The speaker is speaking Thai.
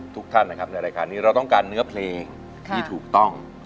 ทุกท่านนะครับในรายการนี้เราต้องการเนื้อเพลงที่ถูกต้อง